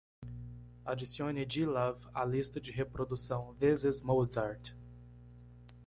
Adicione g love à lista de reprodução This Is Mozart.